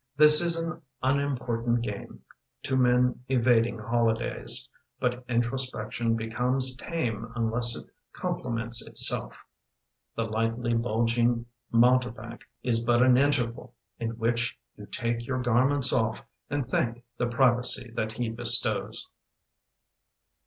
This is an unimportant game To men evading holidays, But introspection becomes tame Unless it compliments itself. The lightly bulging mountebank Is but an interval in which You take your garments off and thank The privacy that he bestows.